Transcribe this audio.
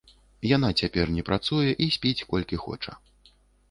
Яна цяпер не працуе і спіць колькі хоча.